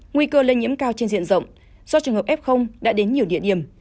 nguy cơ lây nhiễm cao trên diện rộng do trường hợp f đã đến nhiều địa điểm